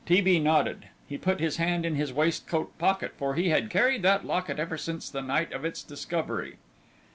T. B. nodded. He put his hand in his waistcoat pocket, for he had carried that locket ever since the night of its discovery.